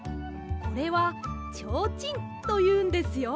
これはちょうちんというんですよ。